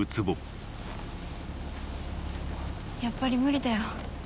やっぱり無理だよ。